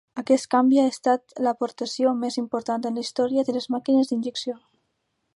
Aquest canvi ha estat l'aportació més important en la història de les màquines d'injecció.